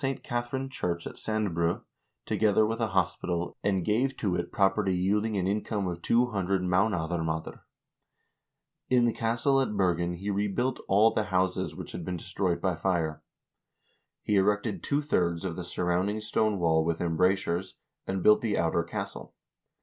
454 HISTORY OF THE NORWEGIAN PEOPLE He built the St. Catherine church at Sandbru, together with a hospital, and gave to it property yielding an income of 200 mdn afirmatr.1 In the castle at Bergen he rebuilt all the houses which had been destroyed by fire. He erected two thirds of the surround ing stone wall with embrasures, and built the outer castle.